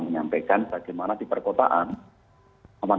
menyampaikan bagaimana di perkotaan